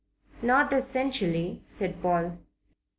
"Not essentially," said Paul.